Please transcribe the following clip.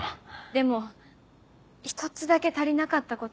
でも一つだけ足りなかったことが。